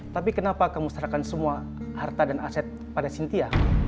tapi kenapa kamu serahkan semua harta dan aset pada sintia